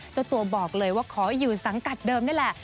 เจ้าตัวบอกเลยว่าขออยู่สังกัดเดิมนี่แหละ